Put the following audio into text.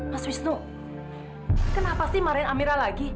mas wisnu kenapa sih marine amira lagi